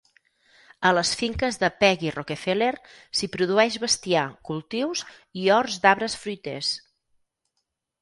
A les finques de Peggy Rockefeller s'hi produeix bestiar, cultius i horts d'arbres fruiters.